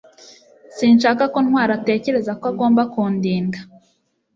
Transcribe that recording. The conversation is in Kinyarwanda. Sinshaka ko Ntwali atekereza ko agomba kundinda